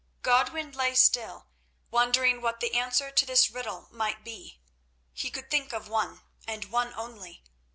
Godwin lay still, wondering what the answer to this riddle might be. He could think of one, and one only.